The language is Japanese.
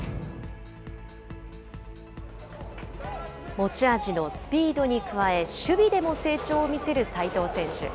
持ち味のスピードに加え、守備でも成長を見せる齋藤選手。